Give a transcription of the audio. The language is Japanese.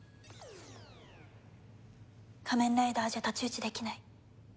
仮面ライダーじゃ太刀打ちできない。